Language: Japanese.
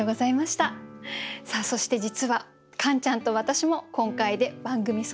さあそして実はカンちゃんと私も今回で番組卒業なんです。